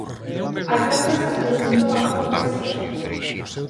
A túa casa desentoa coa paisaxe?